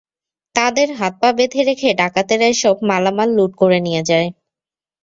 তাঁদের হাত-পা বেঁধে রেখে ডাকাতেরা এসব মালামাল লুট করে নিয়ে যায়।